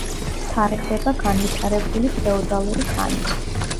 თარიღდება განვითარებული ფეოდალური ხანით.